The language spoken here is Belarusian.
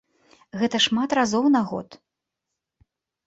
Гэта шмат разоў на год.